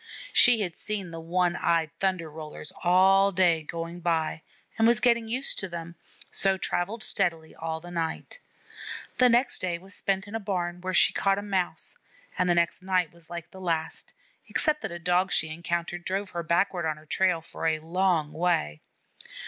She had seen the one eyed Thunder rollers all day going by, and was getting used to them, so travelled steadily all that night. The next day was spent in a barn where she caught a Mouse, and the next night was like the last, except that a Dog she encountered drove her backward on her trail for a long way.